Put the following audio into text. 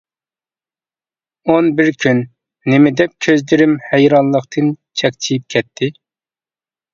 -ئون بىر كۈن؟ نېمىدەپ؟ كۆزلىرىم ھەيرانلىقتىن چەكچىيىپ كەتتى.